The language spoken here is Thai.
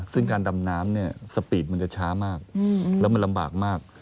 ซึ่งการดำน้ำเนี่ยสปีดมันจะช้ามากแล้วมันลำบากมาก